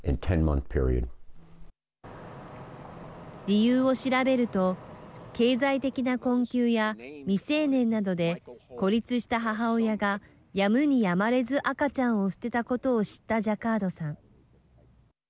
理由を調べると経済的な困窮や未成年などで孤立した母親がやむにやまれず赤ちゃんを捨てたことを知ったジャカードさん。